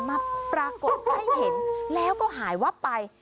มาปรากฏให้เห็นแล้วก็หายวับไป